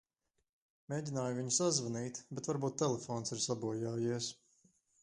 Mēģināju viņu sazvanīt, bet varbūt telefons ir sabojājies.